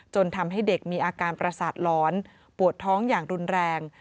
ทำให้เด็กมีอาการประสาทร้อนปวดท้องอย่างรุนแรง